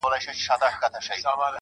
نور به وه ميني ته شعرونه ليكلو~